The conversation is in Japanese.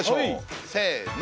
せの。